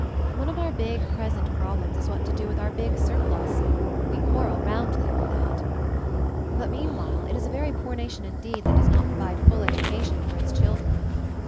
One of our big present prob lems is what to do with our big surplus; we quarrel roundly over that. But meanwhile 216 MOVING THE MOUNTAIN it is a very poor nation indeed that docs not provide full education for its children."